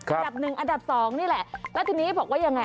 อันดับหนึ่งอันดับสองนี่แหละแล้วทีนี้บอกว่ายังไง